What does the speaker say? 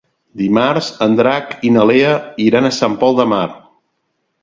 Dimarts en Drac i na Lea iran a Sant Pol de Mar.